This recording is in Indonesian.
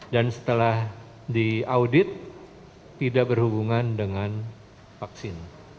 dan setelah diaudit tidak berhubungan dengan vaksin